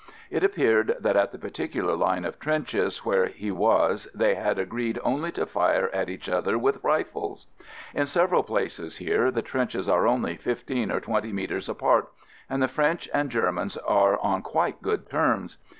It appeared that at the particular line of trenches where he was they had agreed only to fire at each other with rifles ! In several places here the trenches are only fifteen or twenty metres apart and the French and Ger mans are on quite good terms.